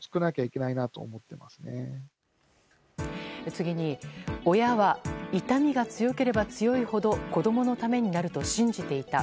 次に、親は痛みが強ければ強いほど子供のためになると信じていた。